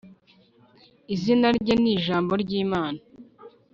izina rye ni Jambo ry Imana